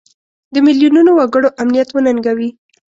د میلیونونو وګړو امنیت وننګوي.